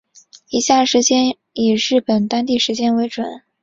以下时间以日本当地时间为准